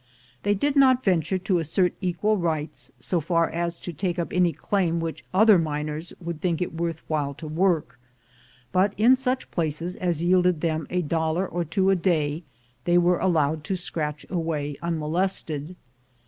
They did not venture to assert equal rights so far as to take up any claim which other miners would think it worth while to work; but in such places as yielded them a dollar or two a day they were allowed to scratch away unmolested.